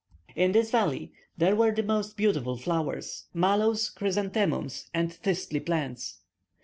In this valley there were the most beautiful flowers, mallows, chrysanthemums, and thistly plants.